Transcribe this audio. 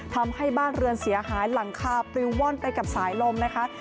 ทำให้บ้านเรือนเสียหายหลังคาปลิวว่อนไปกับสายลมนะคะ